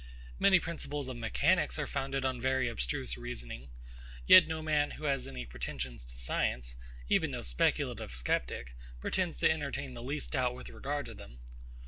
Many principles of mechanics are founded on very abstruse reasoning; yet no man who has any pretensions to science, even no speculative sceptic, pretends to entertain the least doubt with regard to them.